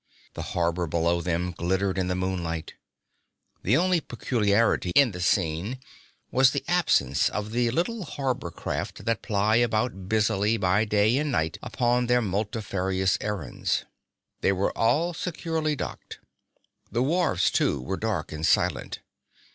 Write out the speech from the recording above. The harbor below them glittered in the moonlight. The only peculiarity in the scene was the absence of the little harbor craft that ply about busily by day and night upon their multifarious errands. They were all securely docked. The wharves, too, were dark and silent.